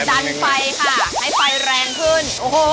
ดันไฟค่ะให้ไฟแรงขึ้น